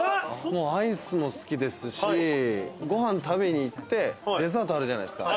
アイスも好きですし、ご飯食べに行ってデザートあるじゃないですか。